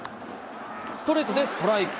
ストレートでストライク。